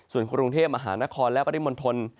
ส่วนกรุงเทพมหานครและปริมณฑล